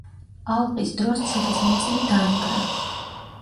ალყის დროს ციხის ნაწილი დაინგრა.